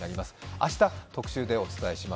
明日、特集でお伝えします。